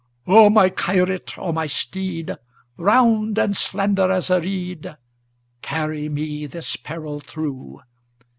"O my Kyrat, O my steed, Round and slender as a reed, Carry me this peril through!